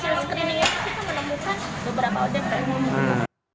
karena dari beberapa hasil screeningnya kita menemukan beberapa odep yang memungkinkan